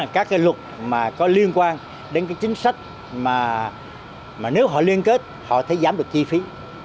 các cái luật mà có liên quan đến cái chính sách mà nếu họ liên kết họ thấy giảm được chi phí